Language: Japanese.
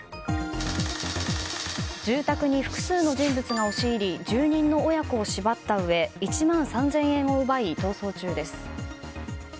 住宅に複数の人物が押し入り住人の親子を縛ったうえ１万３０００円を奪い逃走中です。